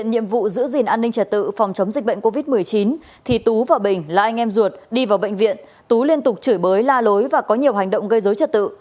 nhiệm vụ giữ gìn an ninh trật tự phòng chống dịch bệnh covid một mươi chín thì tú và bình là anh em ruột đi vào bệnh viện tú liên tục chửi bới la lối và có nhiều hành động gây dối trật tự